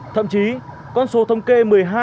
thậm chí con số thông kê